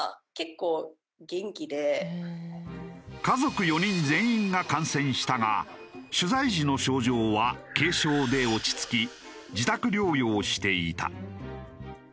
家族４人全員が感染したが取材時の症状は軽症で落ち着き自宅療養していた。